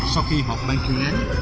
sau khi họp ban chuyên án